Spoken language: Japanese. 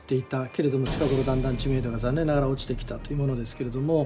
けれども近頃だんだん知名度が残念ながら落ちてきたというものですけれども。